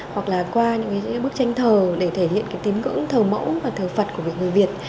hoặc là qua những bức tranh thờ để thể hiện cái tín ngưỡng thờ mẫu và thờ phật của việc người việt